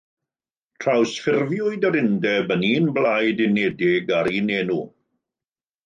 Trawsffurfiwyd yr Undeb yn un blaid unedig â'r un enw.